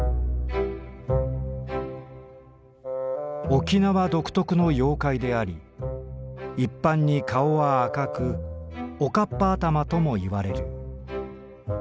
「沖縄独特の妖怪であり一般に顔は赤くおかっぱ頭ともいわれる」。